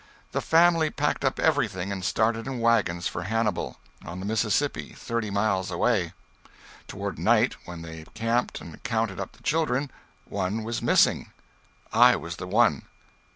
The family packed up everything and started in wagons for Hannibal, on the Mississippi, thirty miles away. Toward night, when they camped and counted up the children, one was missing. I was the one.